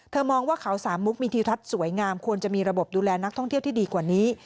มองว่าเขาสามมุกมีทิทัศน์สวยงามควรจะมีระบบดูแลนักท่องเที่ยวที่ดีกว่านี้